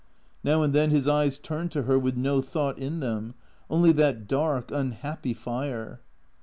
Now and then his eyes turned to her with no thouglit in them, only that dark, unhappy fire.